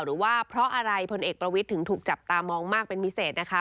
หรือว่าเพราะอะไรพลเอกประวิทย์ถึงถูกจับตามองมากเป็นพิเศษนะคะ